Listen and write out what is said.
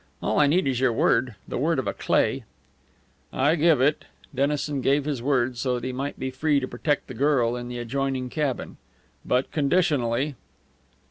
All I need is your word the word of a Cleigh." "I give it." Dennison gave his word so that he might be free to protect the girl in the adjoining cabin. "But conditionally."